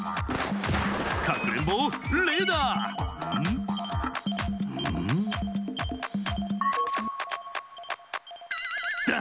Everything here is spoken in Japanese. かくれんぼレーダー！